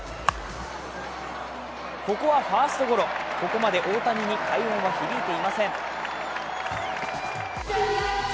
ここはファーストゴロ、ここまで大谷に快音は響いていません。